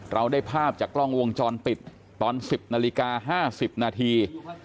เราได้ภาพจากกล้องวงจรปิดตอน๑๐นาฬิกา๕๐นาที